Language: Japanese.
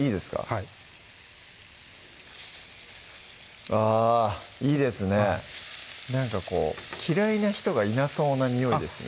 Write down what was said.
はいあぁいいですねなんかこう嫌いな人がいなそうなにおいですね